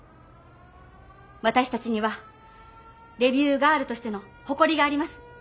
私たちにはレビューガールとしての誇りがあります。